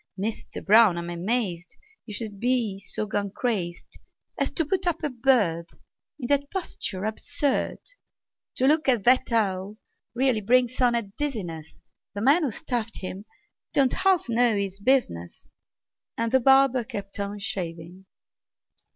Mister Brown, I'm amazed You should be so gone crazed As to put up a bird In that posture absurd! To look at that owl really brings on a dizziness; The man who stuffed him don't half know his business!" And the barber kept on shaving.